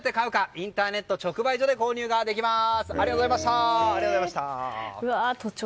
インターネット直売所で購入ができます。